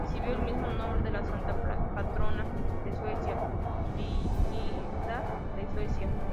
Recibió el mismo nombre que la santa patrona de Suecia, Brígida de Suecia.